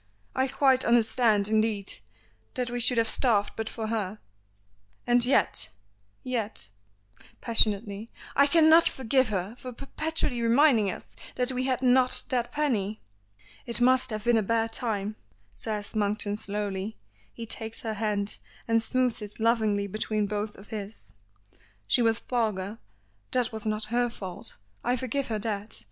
I quite understand, indeed, that we should have starved but for her, and yet yet " passionately, "I cannot forgive her for perpetually reminding us that we had not that penny!" "It must have been a bad time," says Monkton slowly. He takes her hand and smoothes it lovingly between both of his. "She was vulgar. That was not her fault; I forgive her that.